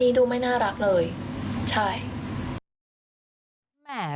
นี่ดูไม่น่ารักเลยใช่